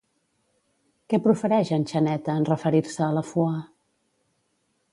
Què profereix en Xaneta en referir-se a la fua?